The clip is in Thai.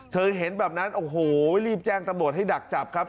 เห็นแบบนั้นโอ้โหรีบแจ้งตำรวจให้ดักจับครับ